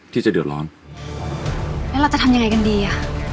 ที่จะเดือดร้อนแล้วเราจะทำยังไงกันดีอ่ะ